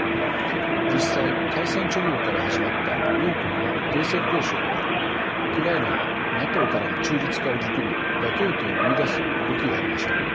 実際開戦直後から始まった両国の停戦交渉ではウクライナのＮＡＴＯからの中立化を軸に妥協点を見いだす動きがありました。